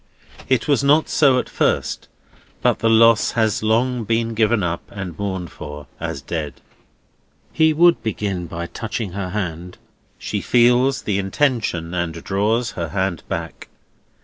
It was not so at first; but the lost has long been given up, and mourned for, as dead. He would begin by touching her hand. She feels the intention, and draws her hand back.